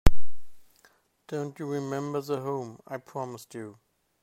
Don't you remember the home I promised you?